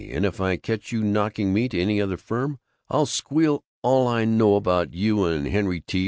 And if I catch you knocking me to any other firm, I'll squeal all I know about you and Henry T.